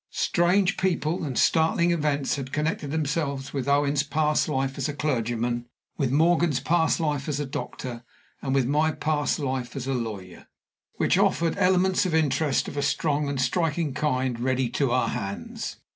Strange people and startling events had connected themselves with Owen's past life as a clergyman, with Morgan's past life as a doctor, and with my past life as a lawyer, which offered elements of interest of a strong and striking kind ready to our hands.